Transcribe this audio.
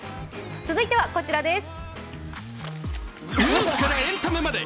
続いてはこちらです。